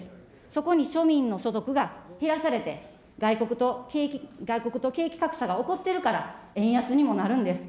そこに庶民の所得が減らされて、外国と景気格差が起こっているから、円安にもなるんです。